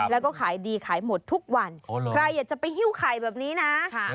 แล้วก็ขายดีขายหมดทุกวันใครอยากจะไปหิ้วไข่แบบนี้นะ